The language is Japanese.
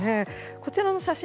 こちらの写真